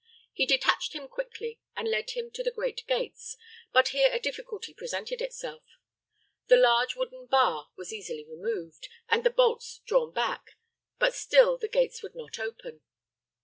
He detached him quickly, and led him to the great gates; but here a difficulty presented itself. The large wooden bar was easily removed, and the bolts drawn back; but still the gates would not open.